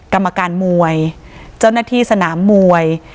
กรรมการมวยเจ้าหน้าที่สนามมวย